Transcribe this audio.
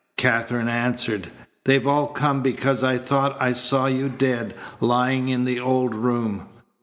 Katherine answered: "They've all come because I thought I saw you dead, lying in the old room."